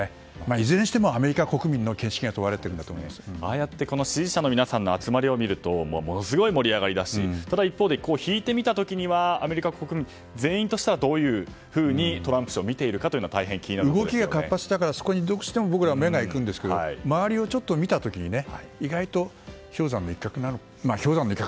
いずれにしてもアメリカ国民の見識がああやって支持者の皆さんの集まりを見るとものすごい盛り上がりだしただ一方で引いてみた時にはアメリカ国民全員としてはどういうふうにトランプ氏を見ているかが動きが活発だからどうしてもそこにどうしても目が行くんですけど周りを見た時に意外と氷山の一角。